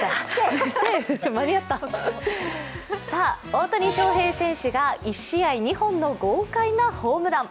大谷翔平選手が１試合２本の豪快なホームラン。